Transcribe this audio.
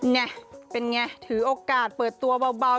ไงเป็นไงถือโอกาสเปิดตัวเบา